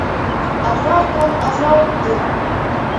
Аҙна артынан аҙна үтте.